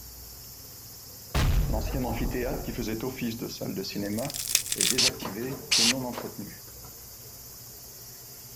L'ancien amphithéâtre, qui faisait office de salle de cinéma, est désactivé et non entretenu.